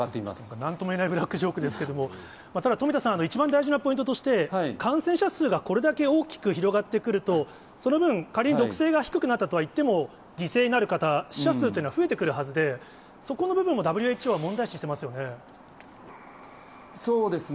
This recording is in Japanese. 何とも言えないブラックジョークですけれども、ただ、富田さん、一番大事なポイントとして、感染者数がこれだけ大きく広がってくると、その分、仮に毒性が低くなったといっても、犠牲になる方、死者数というのは増えてくるはずで、そこの部分もＷＨＯは問題視してますよね。